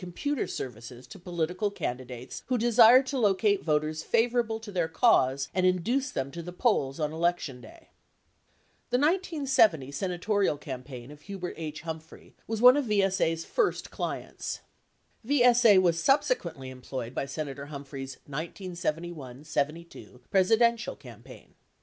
872 computer services to political candidates who desired to locate voters favorable to their cause and induce them to the polls on election day. The 1970 senatorial campaign of Hubert H. Humphrey was one of YSA's first clients. VSA was subsequently employed by Senator Hum phrey's 1971 72 Presidential campaign.